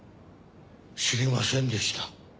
知りませんでした。